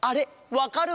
わかる！？